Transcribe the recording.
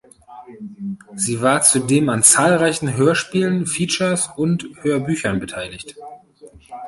Sie war zudem an zahlreichen Hörspielen, Features und Hörbüchern beteiligt.